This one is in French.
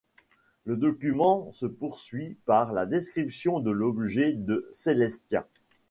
Le document se poursuit par la description de l'objet de Celestia.